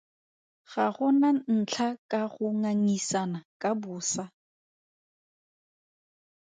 Ga go na ntlha ka go ngangisana ka bosa.